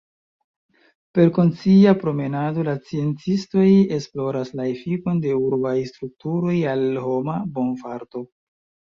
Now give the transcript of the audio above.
Per konscia promenado la sciencistoj esploras la efikon de urbaj strukturoj al homa bonfarto.